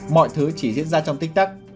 mọi thứ chỉ diễn ra trong tích tắc